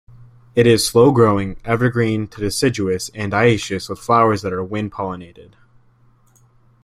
It is slow-growing, evergreen to deciduous, and dioecious, with flowers that are wind-pollinated.